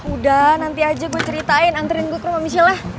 udah nanti aja gue ceritain antriin gue ke rumah michellnya